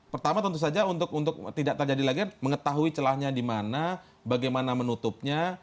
pertama tentu saja untuk tidak terjadi lagi mengetahui celahnya di mana bagaimana menutupnya